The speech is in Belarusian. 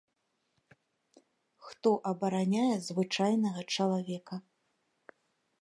Хто абараняе звычайнага чалавека?